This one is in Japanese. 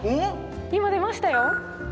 今出ましたよ。